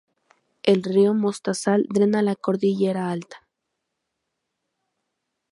El río Mostazal drena la cordillera alta.